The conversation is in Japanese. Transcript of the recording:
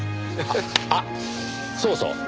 あっそうそう！